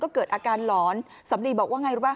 ก็เกิดอาการหลอนสำลียบอกว่าอย่างไรรู้ป่าว